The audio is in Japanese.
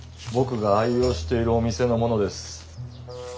僕が愛用しているお店のものです。